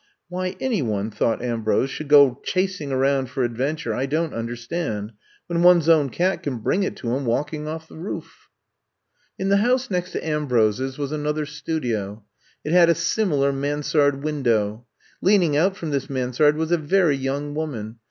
'' ''Why any one," thought Ambrose, should go chasing around for adventure I don't understand, when one's own cat can bring it to him walking off the roof. '' I'VE COME TO STAY 13 In the house next to Anoibrose's was an other studio. It had a similar mansard window. Leaning out from this mansard was a very young woman.